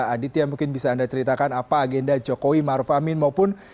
aditya mungkin bisa anda ceritakan apa agenda jokowi maruf amin maupun